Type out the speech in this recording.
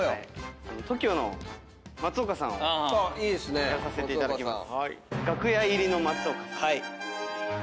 ＴＯＫＩＯの松岡さんをやらさせていただきます。